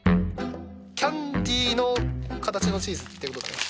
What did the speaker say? キャンディーの形のチーズってことだね。